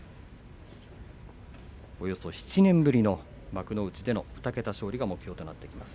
およそ７年ぶりの幕内での２桁勝利が目標となってきます